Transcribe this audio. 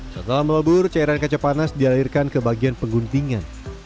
setelah melebur cairan kaca panas dialirkan ke bagian pengguntingan